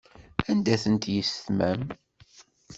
Anda-tent yissetma-m?